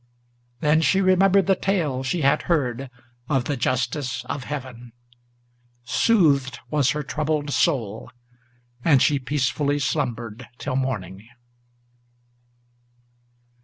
Then she remembered the tale she had heard of the justice of Heaven; Soothed was her troubled soul, and she peacefully slumbered till morning.